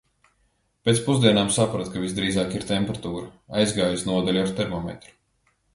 Pēc pusdienām sapratu, ka visdrīzāk ir temperatūra. Aizgāju uz nodaļu ar termometru.